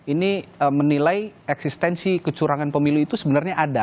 ini menilai eksistensi kecurangan pemilu itu sebenarnya ada